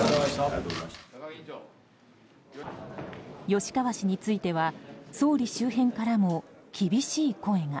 吉川氏については総理周辺からも厳しい声が。